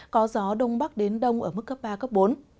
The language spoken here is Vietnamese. có gió đông bắc đến đông ở mức cấp ba cấp bốn